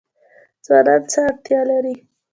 ځوانان څه وړتیا لري؟